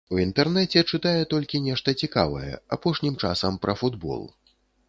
У інтэрнэце чытае толькі нешта цікавае, апошнім часам пра футбол.